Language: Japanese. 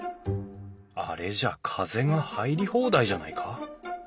あれじゃ風が入り放題じゃないか。